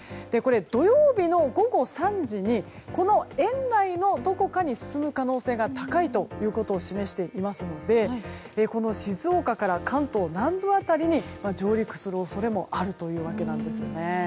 土曜日の午後３時にこの円内のどこかに進む可能性が高いということを示していますのでこの静岡から関東南部辺りに上陸する恐れもあるわけです。